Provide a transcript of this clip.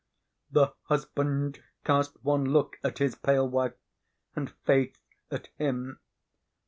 The husband cast one look at his pale wife, and Faith at him.